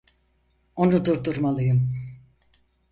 Onu durdurmalıyım.